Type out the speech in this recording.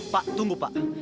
pak tunggu pak